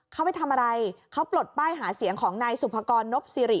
เขาไปทำอะไรเขาปลดป้ายหาเสียงของนายสุภกรนบสิริ